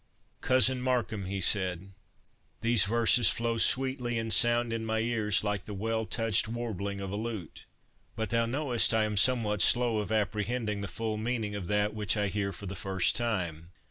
"Cousin Markham," he said, "these verses flow sweetly, and sound in my ears like the well touched warbling of a lute. But thou knowest I am somewhat slow of apprehending the full meaning of that which I hear for the first time.